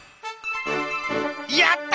やった！